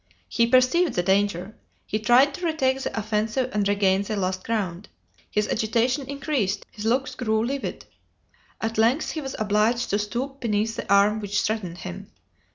He perceived the danger; he tried to retake the offensive and regain the lost ground. His agitation increased, his looks grew livid. At length he was obliged to stoop beneath the arm which threatened him.